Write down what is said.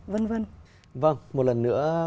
vâng một lần nữa